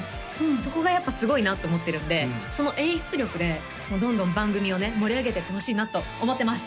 そこがやっぱすごいなと思ってるんでその演出力でどんどん番組をね盛り上げていってほしいなと思ってます